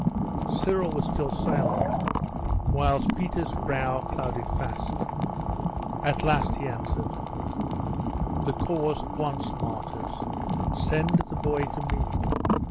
Cyril was still silent; whilst Peter's brow clouded fast. At last he answered 'The cause wants martyrs. Send the boy to me.